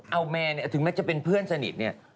เอาแมนเนี่ยถึงแม้จะเป็นเพื่อนสนิทเนี่ย